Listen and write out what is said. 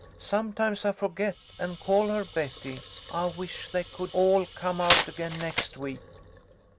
Sometimes I forget and call her Betty. I wish they could all come out again next week."